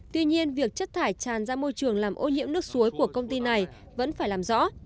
tuy nhiên việc chất thải tràn ra môi trường làm ô nhiễm nước suối của công ty này vẫn phải làm rõ